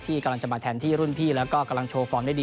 กำลังจะมาแทนที่รุ่นพี่แล้วก็กำลังโชว์ฟอร์มได้ดี